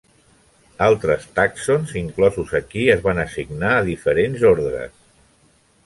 Altres tàxons inclosos aquí es van assignar a diferents ordres.